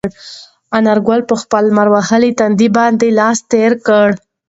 انارګل په خپل لمر وهلي تندي باندې لاس تېر کړ.